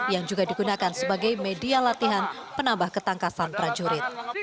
yang juga digunakan sebagai media latihan penambah ketangkasan prajurit